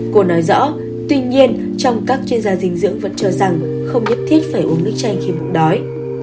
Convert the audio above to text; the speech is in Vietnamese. cô nói rõ tuy nhiên trong các chuyên gia dinh dưỡng vẫn cho rằng không nhất thiết phải uống nước chay khi bóng đói